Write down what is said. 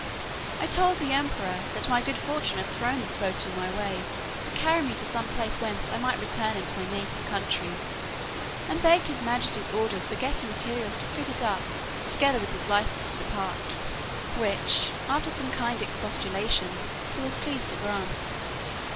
I told the emperor "that my good fortune had thrown this boat in my way, to carry me to some place whence I might return into my native country; and begged his majesty's orders for getting materials to fit it up, together with his license to depart;" which, after some kind expostulations, he was pleased to grant.